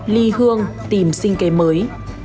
ly hương tìm sinh cây mới